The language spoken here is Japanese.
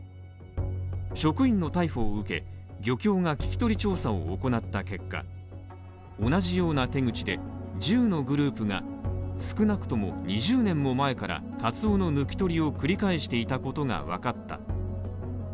職員の逮捕を受け、漁協が聞き取り調査を行った結果、同じような手口で１０のグループが、少なくとも２０年も前からカツオの抜き取りを繰り返していたことがわかった。